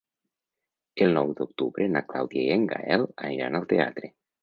El nou d'octubre na Clàudia i en Gaël aniran al teatre.